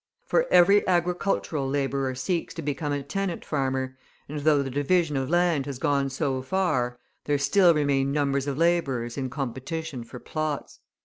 For every agricultural labourer seeks to become a tenant farmer, and though the division of land has gone so far, there still remain numbers of labourers in competition for plots.